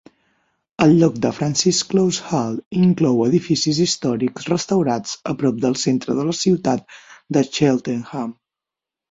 El lloc de Francis Close Hall inclou edificis històrics restaurats a prop del centre de la ciutat de Cheltenham.